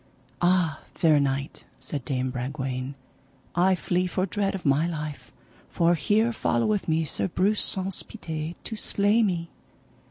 Ah, fair knight, said Dame Bragwaine, I flee for dread of my life, for here followeth me Sir Breuse Saunce Pité to slay me.